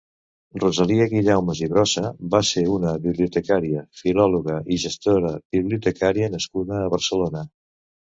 Rosalia Guilleumas i Brosa va ser una bibliotecària, filòloga i gestora bibliotecària nascuda a Barcelona.